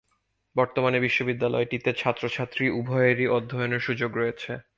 বর্তমানে বিদ্যালয়টিতে ছাত্র/ছাত্রী উভয়েরই অধ্যয়নের সুযোগ রয়েছে।